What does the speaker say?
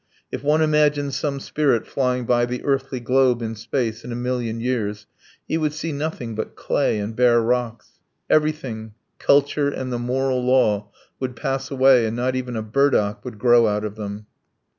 If one imagined some spirit flying by the earthly globe in space in a million years he would see nothing but clay and bare rocks. Everything culture and the moral law would pass away and not even a burdock would grow out of them.